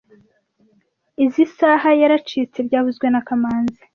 Izoi saha yaracitse byavuzwe na kamanzi